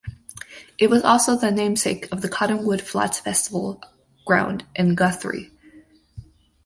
It is also the namesake of the Cottonwood Flats Festival Ground in Guthrie.